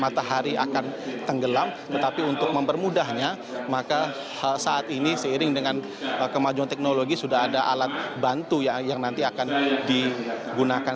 matahari akan tenggelam tetapi untuk mempermudahnya maka saat ini seiring dengan kemajuan teknologi sudah ada alat bantu yang nanti akan digunakan